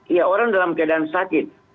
ya orang dalam keadaan sakit